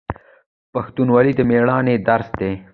پښتونولي د میړانې درس دی.